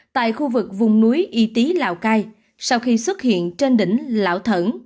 tại khu vực vùng núi y tý lào cai sau khi xuất hiện trên đỉnh lão thần